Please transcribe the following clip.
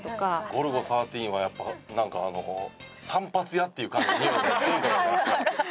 『ゴルゴ１３』はやっぱなんかあの散髪屋っていう感じの匂いがするかもしれないですね。